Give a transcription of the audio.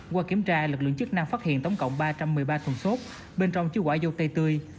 qua kiểm tra lực lượng chức năng phát hiện tổng cộng ba trăm một mươi ba thùng xốp bên trong chứa quả dâu tây tươi